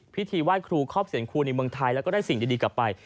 พิธีไหว้ครูครอบเสียงครูในเมืองไทยแล้วก็ได้สิ่งดีกลับไป